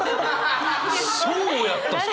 そうやったんすか！？